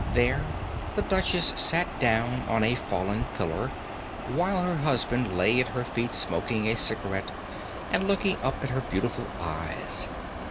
There the Duchess sat down on a fallen pillar, while her husband lay at her feet smoking a cigarette and looking up at her beautiful eyes.